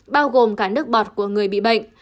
bao gồm cả nước bọt của người bị bệnh